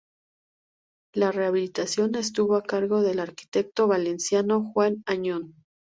La rehabilitación estuvo a cargo del arquitecto valenciano Juan Añón.